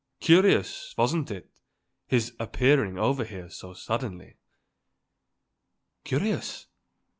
Curious, wasn't it, his appearing over here so suddenly?" "Curious?